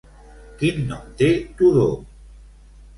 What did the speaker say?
Quin nom té Tudó?